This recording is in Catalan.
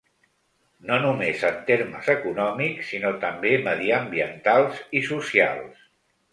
No només en termes econòmics sinó també mediambientals i socials.